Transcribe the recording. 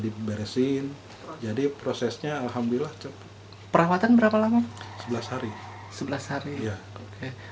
diberesin jadi prosesnya alhamdulillah cepat perawatan berapa lama sebelas hari sebelas hari ya oke